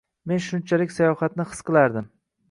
Men shunchalik sayohatni his qilardim.